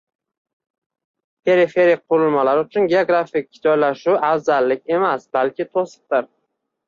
Periferik qurilmalar uchun geografik joylashuv afzallik emas, balki to'siqdir